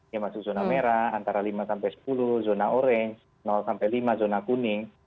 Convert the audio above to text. yang masuk zona merah antara lima sampai sepuluh zona orange sampai lima zona kuning